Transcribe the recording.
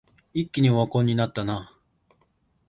一気にオワコンになったな